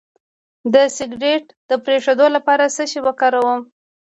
د سګرټ د پرېښودو لپاره څه شی وکاروم؟